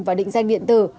và định danh điện tử